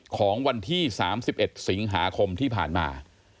ของวันที่๓๑สิงหาคมที่ผ่านมา